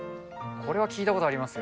これは聞いたことありますよ。